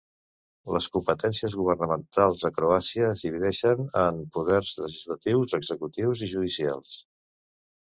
Les competències governamentals a Croàcia es divideixen en poders legislatius, executius i judicials.